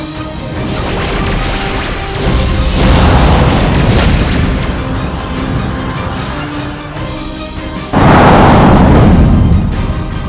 kau akan menang